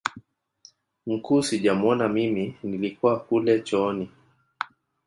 mkuu sijamuona mimi nilikuwa kule chooni